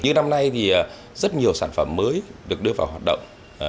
như năm nay thì rất nhiều sản phẩm mới được đưa vào hoạt động